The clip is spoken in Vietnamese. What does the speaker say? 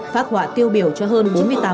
phát họa tiêu biểu cho hơn bốn mươi tám